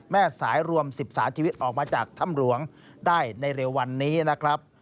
แม่สายรวม๑๓ชีวิตออกมาจากถ้ำหลวงได้ในเร็ววันนี้นะครับ